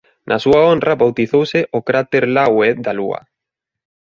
Na súa honra bautizouse o "cráter Laue" da Lúa.